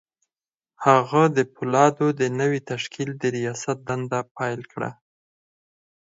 هغه د پولادو د نوي تشکيل د رياست دنده پيل کړه.